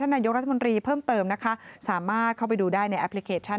นายกรัฐมนตรีเพิ่มเติมนะคะสามารถเข้าไปดูได้ในแอปพลิเคชัน